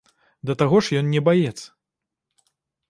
Да таго ж ён не баец.